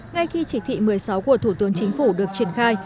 ngay khi chỉ thị một mươi sáu của thủ tướng chính phủ được triển khai